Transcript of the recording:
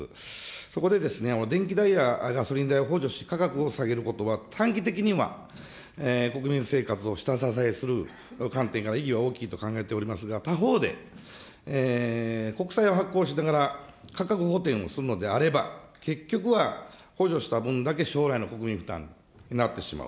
そこで、電気代やガソリン代を補助し、価格を下げることは、短期的には国民生活を下支えする観点から意義は大きいと考えておりますが、他方で、国債を発行しながら、価格補填をするのであれば、結局は、補助した分だけ、将来の国民負担になってしまう。